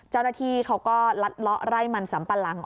เจ้าหน้าที่เขาก็ลัดเลาะไร่มันสัมปะหลัง